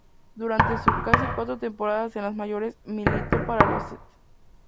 Durante sus casi cuatro temporadas en las mayores militó para los "St.